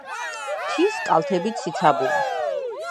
მთის კალთები ციცაბოა.